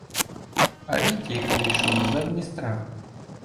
А рід їх вийшов з-за Дністра.